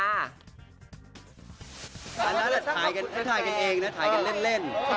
อันนั้นถ่ายให้ถ่ายกันเองนะถ่ายกันเล่น